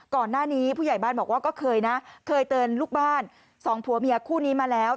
ก่อนหน้านี้ผู้ใหญ่บ้านบอกว่าก็เคยนะเคยเตือนลูกบ้านสองผัวเมียคู่นี้มาแล้ว